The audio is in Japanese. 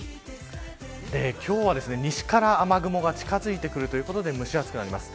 今日は西から雨雲が近づいてくるということで蒸し暑くなります。